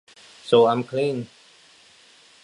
So I'm clean.